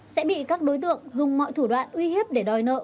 sẽ bị các đối tượng dùng mọi thủ đoạn uy hiếp để đòi nợ